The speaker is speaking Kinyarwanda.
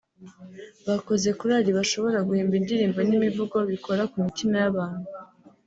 bakoze korari bashobora guhimba indirimbo n’imivugo bikora ku mitima y’abantu